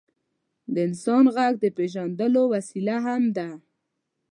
د انسان ږغ د پېژندلو وسیله هم ده.